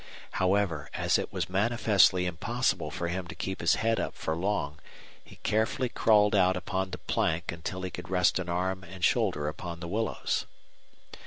However, as it was manifestly impossible for him to keep his head up for long he carefully crawled out upon the plank until he could rest an arm and shoulder upon the willows.